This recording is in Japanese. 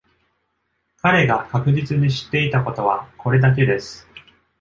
彼が確実に知っていたことは、これだけです。